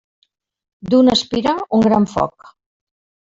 D'una espira, un gran foc.